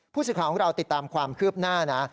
ผู้สื่อข่าวของเราติดตามความคืบหน้านะ